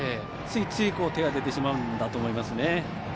ついつい、手が出てしまうんだと思いますね。